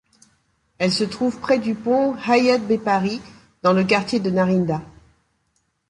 Elle se trouve près du pont Hayat-Bepari dans le quartier de Narinda.